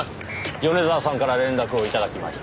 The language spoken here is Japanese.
米沢さんから連絡を頂きまして。